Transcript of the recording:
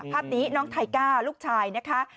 ภาพนี้น้องไทก้าลูกชายนะคะ